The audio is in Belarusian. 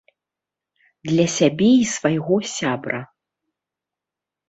Для сябе і свайго сябра.